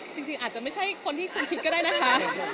จริงอาจจะไม่ใช่คนที่คุณคิดก็ได้นะคะ